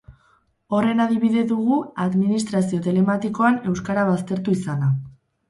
Horren adibide dugu administrazio telematikoan euskara baztertu izana.